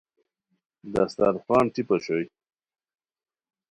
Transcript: دسترخوان ٹیپ اوشوئے